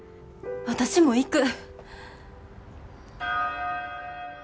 私も行く。